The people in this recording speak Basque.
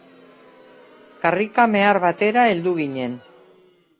Karrika mehar batera heldu ginen.